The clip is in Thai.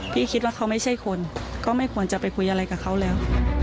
คิดว่าเขาไม่ใช่คนก็ไม่ควรจะไปคุยอะไรกับเขาแล้ว